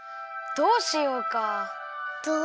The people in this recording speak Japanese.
どうしよう？